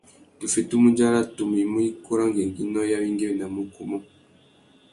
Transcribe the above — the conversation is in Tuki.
Tu fitimú udzara tumu i mú ikú râ ngüéngüinô i awéngüéwinamú ukú umô.